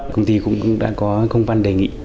công ty cũng đã có công văn đề nghị